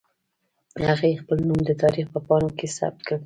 هغې خپل نوم د تاريخ په پاڼو کې ثبت کړ.